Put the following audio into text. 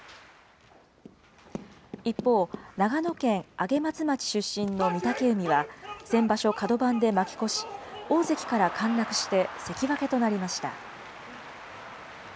一方、長野県上松町出身の御嶽海は先場所、角番で負け越し、大関から陥落して関脇となりました。